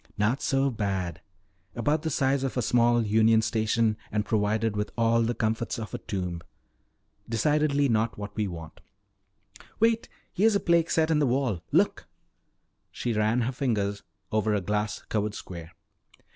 "Not so bad. About the size of a small union station and provided with all the comforts of a tomb. Decidedly not what we want." "Wait, here's a plaque set in the wall. Look!" She ran her finger over a glass covered square.